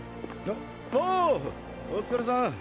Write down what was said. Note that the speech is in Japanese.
おぉお疲れさん。